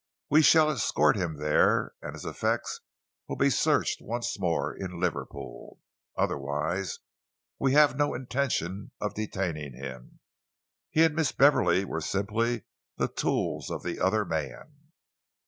We shall escort him there, and his effects will be searched once more in Liverpool. Otherwise, we have no intention of detaining him. He and Miss Beverley were simply the tools of the other man."